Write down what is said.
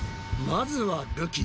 まずはるき。